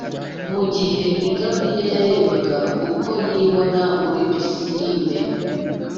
mu gihe ingamiya yarebaga uko yibona muri pisine.